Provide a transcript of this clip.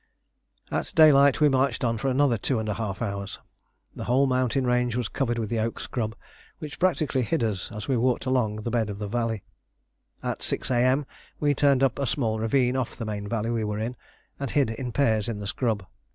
At daylight we marched on for another two and a half hours. The whole mountain range was covered with the oak scrub, which practically hid us as we walked along the bed of a valley. At 6 A.M. we turned up a small ravine off the main valley we were in, and hid in pairs in the scrub.